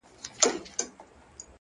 هوښیار انسان احساسات مدیریت کوي.